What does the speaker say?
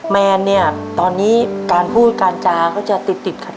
แมนเนี่ยตอนนี้การพูดการจาก็จะติดติดขัด